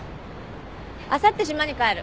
あさって島に帰る。